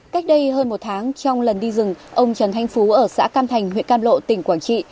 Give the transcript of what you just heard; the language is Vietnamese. cách đây hơn một tháng trong lần đi rừng ông trần thanh phú ở xã cam thành huyện cam lộ tỉnh quảng trị